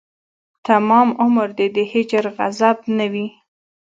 تمام عمر دې د هجر غضب نه وي